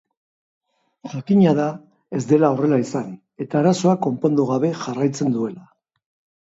Jakina da ez dela horrela izan eta arazoak konpondu gabe jarraitzen duela.